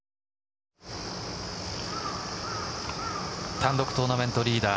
単独トーナメントリーダー